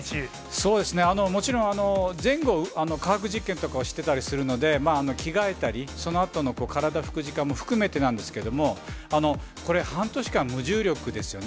そうですね、もちろん、前後、科学実験とかをしてたりするので、着替えたり、そのあとの体拭く時間も含めてなんですけども、これ、半年間、無重力ですよね。